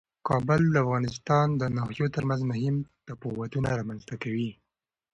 کابل د افغانستان د ناحیو ترمنځ مهم تفاوتونه رامنځ ته کوي.